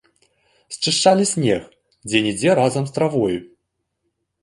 Счышчалі снег, дзе-нідзе разам з травой.